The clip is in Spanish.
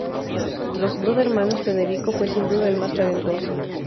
De los dos hermanos Federico fue sin duda el más talentoso.